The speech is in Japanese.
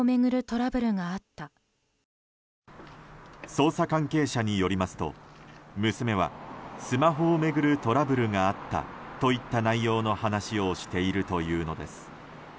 捜査関係者によりますと娘はスマホを巡るトラブルがあったといった内容の話をしているというのです。